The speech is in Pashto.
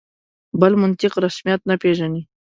بل منطق رسمیت نه پېژني.